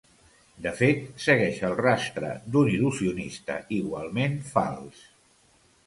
De fet, segueix el rastre d'un il·lusionista igualment fals.